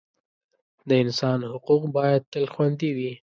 د انسان حقوق باید تل خوندي وي.